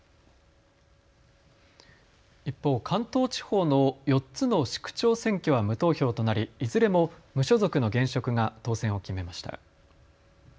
一方、関東地方の４つの市区長選挙は無投票となり、いずれも無所属の現職が当選を決めました。